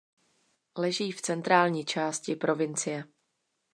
Leží v centrální části provincie.